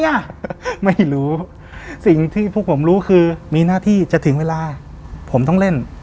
อ่ะไม่รู้สิ่งที่พวกผมรู้คือมีหน้าที่จะถึงเวลาผมต้องเล่น